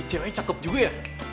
ceweknya cakep juga ya